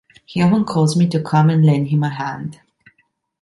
He often calls me to come and lend him a hand.